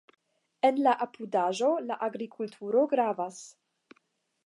En la apudaĵo la agrikulturo gravas.